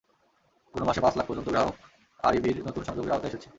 কোনো মাসে পাঁচ লাখ পর্যন্ত গ্রাহক আরইবির নতুন সংযোগের আওতায় এসেছে।